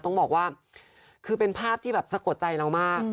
ต้องบอกว่าคือเป็นภาพที่แบบสะกดใจเรามาก